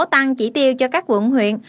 tăng chỉ tiêu cho các quận huyện